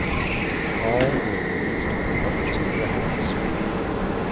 All were released on Walt Disney Records.